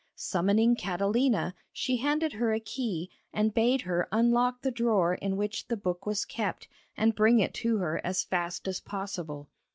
Summoning Catalina, she handed her a key, and bade her unlock the drawer in which the book was kept, and bring it to her as fast as possible.